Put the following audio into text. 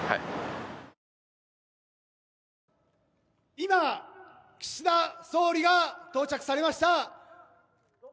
今、岸田総理が到着されました。